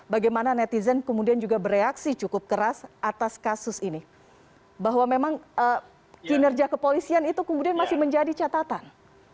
bagaimana netizen kemudian juga bereaksi cukup keras atas kasus ini bahwa memang kinerja kepolisian itu kemudian masih menjadi catatan